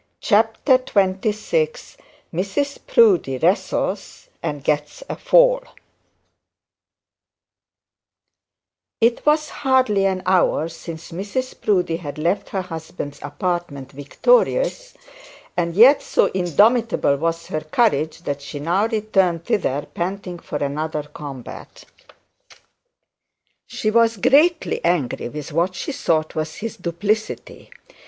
CHAPTER XXVI MRS PROUDIE TAKES A FALL It was hardly an hour since Mrs Proudie had left her husband's apartment victorious, and yet so indomitable was her courage that she now returned thither panting for another combat. She was greatly angry with what she thought was his duplicity.